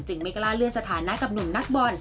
ไม่กล้าเลื่อนสถานะกับหนุ่มนักบอล